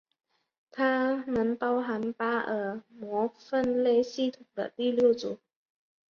它们包含巴尔的摩分类系统里的第六组。